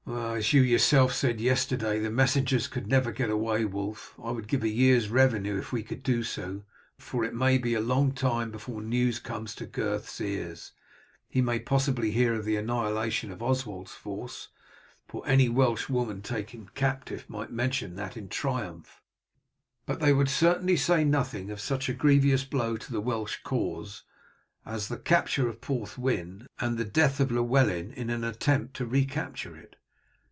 "As you yourself said yesterday, the messengers could never get away, Wulf. I would give a year's revenue if we could do so, for it may be a long time before news comes to Gurth's ears. He may possibly hear of the annihilation of Oswald's force, for any Welsh woman taken captive might mention that in triumph, but they would certainly say nothing of such a grievous blow to the Welsh cause as the capture of Porthwyn and the death of Llewellyn in an attempt to recapture it.